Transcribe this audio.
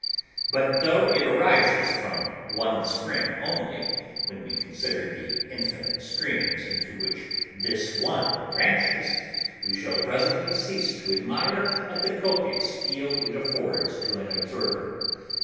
But though it arises from one spring only, when we consider the infinite streams into which this one branches, we shall presently cease to admire at the copious field it affords to an observer.